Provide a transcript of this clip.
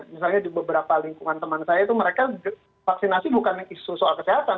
misalnya di beberapa lingkungan teman saya itu mereka vaksinasi bukan isu soal kesehatan